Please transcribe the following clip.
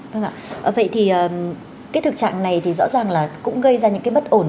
vâng ạ vậy thì cái thực trạng này thì rõ ràng là cũng gây ra những cái bất ổn